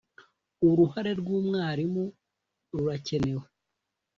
uruhare rw’umwarimu rurakenewe